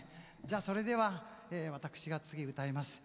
それでは私が次を歌います。